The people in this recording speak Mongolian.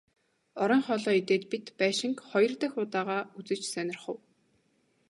Оройн хоолоо идээд бид байшинг хоёр дахь удаагаа үзэж сонирхов.